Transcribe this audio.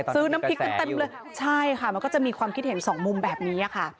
ซื้อน้ำพริกกันเต็มเลยใช่ค่ะมันก็จะมีความคิดเห็นสองมุมแบบนี้ค่ะ